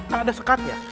kan ada sekatnya